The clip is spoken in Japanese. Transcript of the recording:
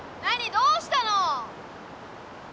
どうしたの？